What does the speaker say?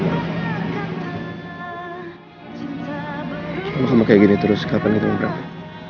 kalo kamu kayak gini terus kapan kita berakhir